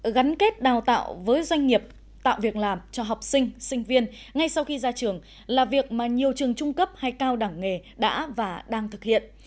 gắn kết đào tạo với doanh nghiệp tạo việc làm cho học sinh sinh viên ngay sau khi ra trường là việc mà nhiều trường trung cấp hay cao đẳng nghề đã và đang thực hiện